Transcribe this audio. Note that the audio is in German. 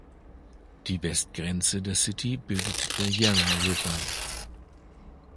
Die Westgrenze der City bildet der Yarra River.